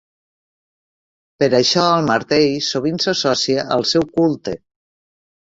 Per això el martell sovint s'associa al seu culte.